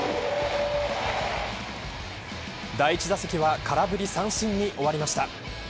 第１打席は空振り三振に終わりました。